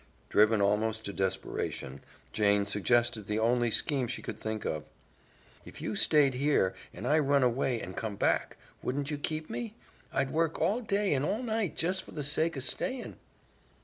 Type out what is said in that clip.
Driven almost to desperation, Jane suggested the only scheme she could think of. "If you stayed here and I run away and came back, wouldn't you keep me? I'd work all day and all night jes' for the sake of stayin'."